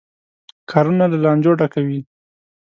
کارونه له لانجو ډکوي.